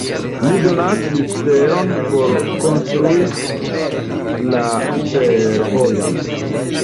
Li donacis teron por konstruis la fervojon.